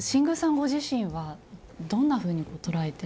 ご自身はどんなふうに捉えてらしたんですか？